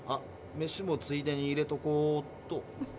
メシもついでに入れとこっと。